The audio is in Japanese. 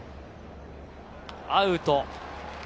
アウト。